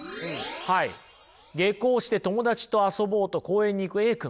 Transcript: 下校して友達と遊ぼうと公園に行くＡ君。